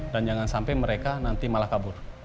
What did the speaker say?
jangan sampai mereka nanti malah kabur